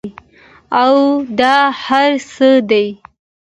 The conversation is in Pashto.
او دا هر څۀ دي